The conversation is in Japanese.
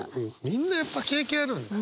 みんなやっぱ経験あるんだ。